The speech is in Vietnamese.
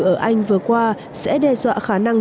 ở anh vừa qua sẽ đe dọa khả năng